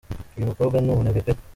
Uyu mukobwa ni umunebwe pe!